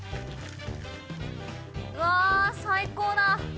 うわ最高だ！